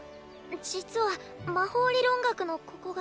実は魔法理論学のここが。